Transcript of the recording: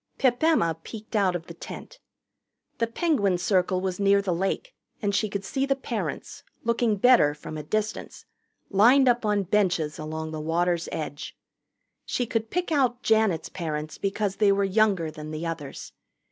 Pip Emma peeked out of the tent. The Penguin Circle was near the lake, and she could see the parents, looking better from a distance, lined up on benches along the water's edge. She could pick out Janet's parents because they were younger than the others.